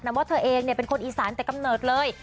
นำว่าเธอเองเนี่ยเป็นคนอีสานตั้งแต่กำเนิดเลย